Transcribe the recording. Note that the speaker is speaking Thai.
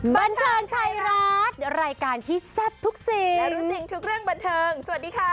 บันเทิงไทยรัฐรายการที่แซ่บทุกสิ่งและรู้จริงทุกเรื่องบันเทิงสวัสดีค่ะ